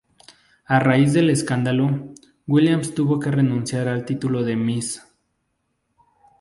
A raíz del escándalo, Williams tuvo que renunciar al título de "miss".